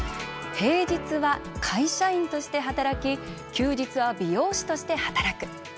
平日は会社員として働き休日は美容師として働く。